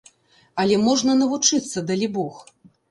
Але можна навучыцца, далібог.